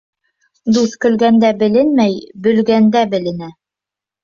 Дуҫ көлгәндә беленмәй, бөлгәндә беленә.